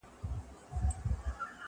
بې دې نه بل تعریف ډیرې خبرې ډیرې خولې دي